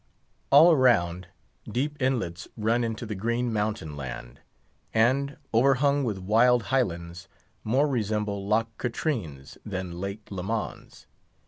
All round, deep inlets run into the green mountain land, and, overhung with wild Highlands, more resemble Loch Katrines than Lake Lemans.